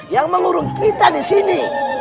yang mengurung kita disini